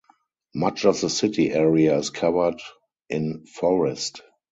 Much of the city area is covered in forest.